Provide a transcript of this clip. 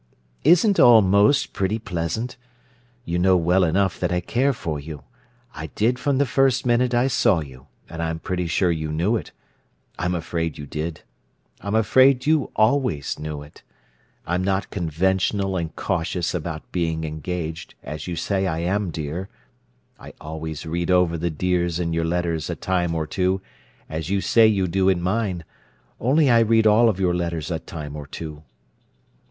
Isn't almost pretty pleasant? You know well enough that I care for you. I did from the first minute I saw you, and I'm pretty sure you knew it—I'm afraid you did. I'm afraid you always knew it. I'm not conventional and cautious about being engaged, as you say I am, dear. (I always read over the "dears" in your letters a time or two, as you say you do in mine—only I read all of your letters a time or two!)